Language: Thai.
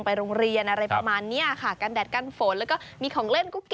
ไปโรงเรียนอะไรประมาณนี้ค่ะกั้นแดดกั้นฝน